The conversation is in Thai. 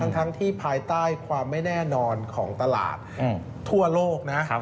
ทั้งที่ภายใต้ความไม่แน่นอนของตลาดทั่วโลกนะ